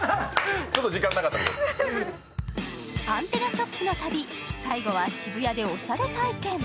アンテナショップの旅、最後は渋谷でおしゃれ体験。